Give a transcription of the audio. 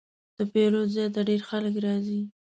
د پیرود ځای ته ډېر خلک راځي.